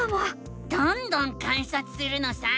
どんどん観察するのさ！